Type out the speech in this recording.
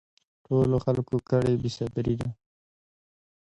ټولو خلکو کړی بې صبري ده